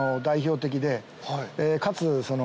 かつ。